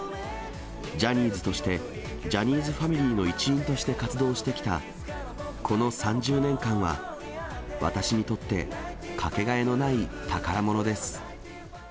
ジャニーズとして、ジャニーズファミリーの一員として活動してきた、この３０年間は、私にとってかけがえのない宝物です。